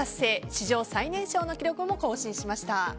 史上最年少の記録を更新しました。